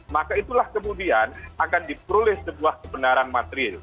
maka itulah kemudian akan diperoleh sebuah kebenaran material